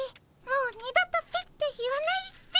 もう二度と「ピッ」て言わないっピ。